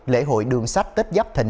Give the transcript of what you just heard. lễ hội đường sách tết giáp thình